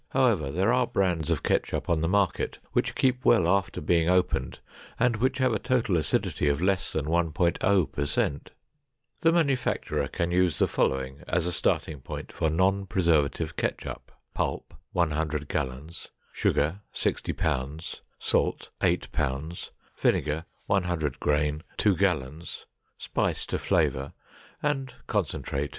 However, there are brands of ketchup on the market which keep well after being opened and which have a total acidity of less than 1.0 per cent. The manufacturer can use the following as a starting point for non preservative ketchup; pulp, 100 gallons; sugar, 60 pounds; salt, 8 pounds; vinegar, 100 grain, 2 gallons; spice to flavor; and concentrate to 50 to 55 gallons.